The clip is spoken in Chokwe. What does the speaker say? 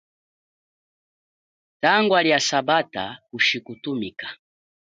Tangwa lia sambata kushi kuthumika.